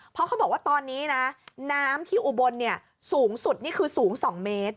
เพราะเขาบอกว่าตอนนี้นะน้ำที่อุบลสูงสุดนี่คือสูง๒เมตร